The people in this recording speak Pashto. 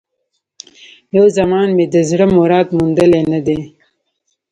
یو زمان مي د زړه مراد موندلی نه دی